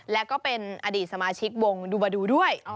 แล้วก็เป็นอดีตสมาชิกวงดูบาดูด้วย